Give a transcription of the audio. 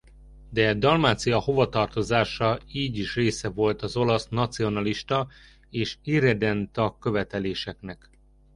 De Dalmácia hovatartozása így is része volt az olasz nacionalista és irredenta követeléseknek.